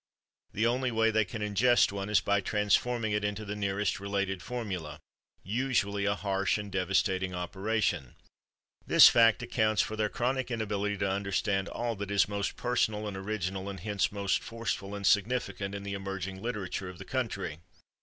The only way they can ingest one is by transforming it into the nearest related formula—usually a harsh and devastating operation. This fact accounts for their chronic inability to understand all that is most personal and original and hence most forceful and significant in the emerging literature of the country.